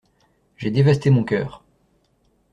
J'ai dévasté mon cœur.